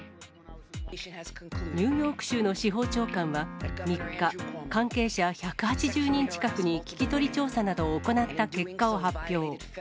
ニューヨーク州の司法長官は３日、関係者１８０人近くに聞き取り調査などを行った結果を発表。